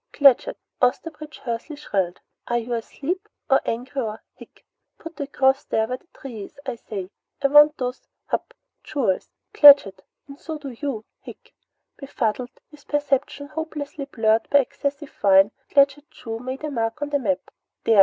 "Claggett!" Osterbridge Hawsey shrilled. "Are you asleep, or angry, or ? Hic! Put a cross where the Tree is, I say! I want those hup! jewels, Claggett, and so do you! Hic!" Befuddled, his perceptions hopelessly blurred by excessive wine, Claggett Chew made a mark on the map. "There!"